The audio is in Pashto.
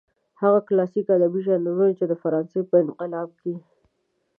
هغه کلاسلیک ادبي ژانرونه چې د فرانسې په انقلاب کې.